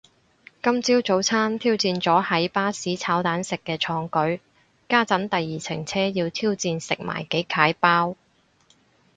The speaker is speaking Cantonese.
今朝早餐挑戰咗喺巴士炒蛋食嘅創舉，家陣第二程車要挑戰食埋幾楷包